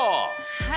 はい。